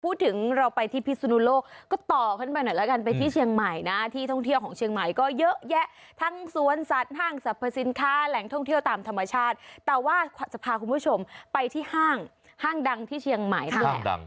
พูดถึงเราไปที่พิศนุโลกก็ต่อขึ้นไปหน่อยแล้วกันไปที่เชียงใหม่นะที่ท่องเที่ยวของเชียงใหม่ก็เยอะแยะทั้งสวนสัตว์ห้างสรรพสินค้าแหล่งท่องเที่ยวตามธรรมชาติแต่ว่าจะพาคุณผู้ชมไปที่ห้างห้างดังที่เชียงใหม่นั่นแหละ